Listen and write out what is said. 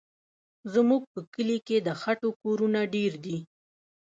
زموږ په کلي کې د خټو کورونه ډېر دي.